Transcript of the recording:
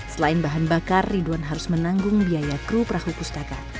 selain bahan bakar ridwan harus menanggung biaya kru perahu pustaka